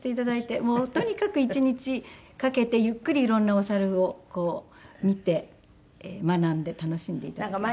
もうとにかく一日かけてゆっくり色んなお猿を見て学んで楽しんで頂ける。